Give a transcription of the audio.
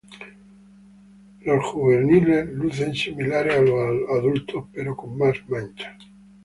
Los juveniles lucen similares a los adultos, pero con más manchas.